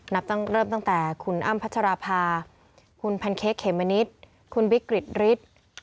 นับเริ่มตั้งแต่คุณอ้ำพัชราพาคุณพันเค้กเขมมะนิดคุณบิ๊กกริดริด